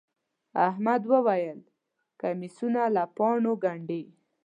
احمد وويل: کمیسونه له پاڼو گنډي.